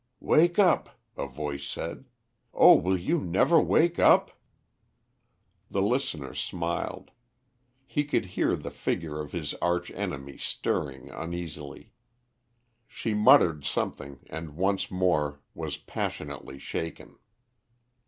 "Wake up!" a voice said. "Oh, will you never wake up?" The listener smiled. He could hear the figure of his arch enemy stirring uneasily. She muttered something and once more was passionately shaken.